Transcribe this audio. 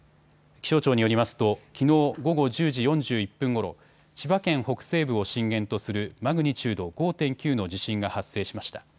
気象庁によりますときのう午後１０時４１分ごろ千葉県北西部を震源とするマグニチュード５．９の地震が発生しました。